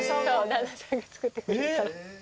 旦那さんが作ってくれるから。